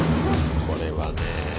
これはね